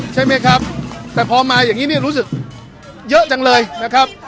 ใช่ไหมครับแต่พอมาอย่างนี้เนี่ยรู้สึกเยอะจังเลยนะครับ